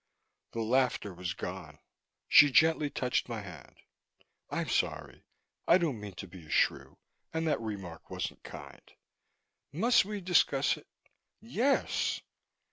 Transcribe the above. The laughter was gone. She gently touched my hand. "I'm sorry. I don't mean to be a shrew and that remark wasn't kind. Must we discuss it?" "Yes!"